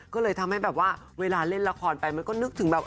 ก็เลยทำให้แบบว่าเวลาเล่นละครไปมันก็นึกถึงแบบ